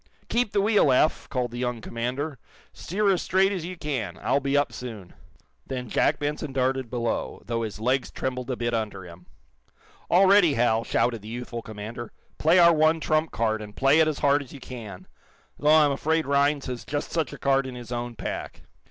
"Keep the wheel, Eph!" called the Young commander. "Steer as straight as you can. I'll be up soon." Then Jack Benson darted below, though his legs trembled a bit under him. "All ready, Hal!" shouted the youthful commander. "Play our one trump card, and play it as hard as you can! Though I'm afraid Rhinds has just such a card in his own pack."